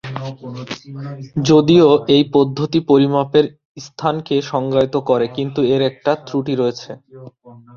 যদিও এই পদ্ধতি পরিমাপের স্থানকে সংজ্ঞায়িত করে কিন্তু এর একটা ত্রুটি রয়েছে।